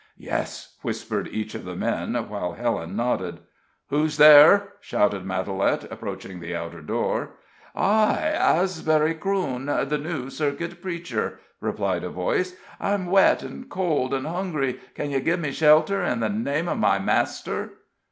"Yes," whispered each of the men, while Helen nodded. "Who's there?" shouted Matalette, approaching the outer door. "I Asbury Crewne the new circuit preacher," replied a voice. "I'm wet, cold and hungry can you give me shelter, in the name of my Master?"